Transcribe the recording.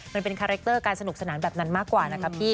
มันเป็นคาแรคเตอร์การสนุกสนานแบบนั้นมากกว่านะครับพี่